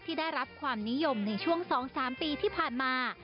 ได้รับความนิยมในช่วง๒๓ปีที่ผ่านมา